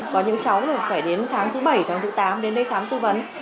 có những cháu phải đến tháng thứ bảy tháng thứ tám đến đây khám tư vấn